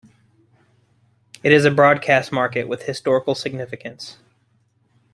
It is a broadcast market with historical significance.